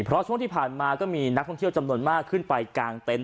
เพราะช่วงที่ผ่านมาก็มีนักท่องเที่ยวจำนวนมากขึ้นไปกลางเต็นต